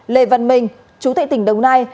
lê văn minh chủ tịch tỉnh đồng nai